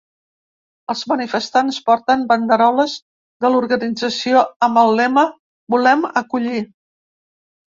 Els manifestants porten banderoles de l’organització amb el lema ‘Volem acollir’.